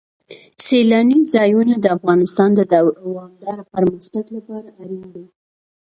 سیلانی ځایونه د افغانستان د دوامداره پرمختګ لپاره اړین دي.